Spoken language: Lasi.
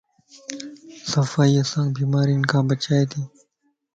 صفائي اسانک بيمارين کان بچائيتي